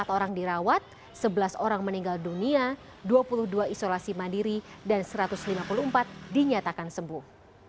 empat orang dirawat sebelas orang meninggal dunia dua puluh dua isolasi mandiri dan satu ratus lima puluh empat dinyatakan sembuh